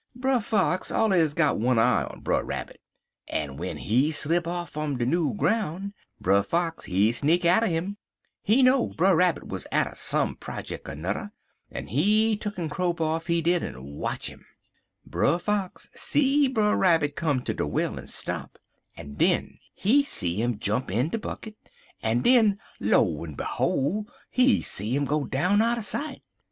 "Brer Fox allers got one eye on Brer Rabbit, en w'en he slip off fum de new groun', Brer Fox he sneak atter 'im. He know Brer Rabbit wuz atter some projick er nudder, en he tuck'n crope off, he did, en watch 'im. Brer Fox see Brer Rabbit come to de well en stop, en den he see 'im jump in de bucket, en den, lo en behol's, he see 'im go down outer sight.